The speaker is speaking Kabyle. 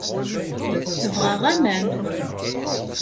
Tebɣa aman.